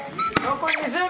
残り２０秒。